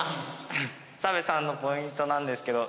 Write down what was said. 澤部さんのポイントなんですけど。